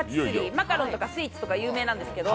マカロンとかスイーツが有名なんですけど